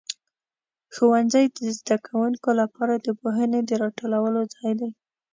ښوونځي د زده کوونکو لپاره د پوهنې د راټولو ځای دی.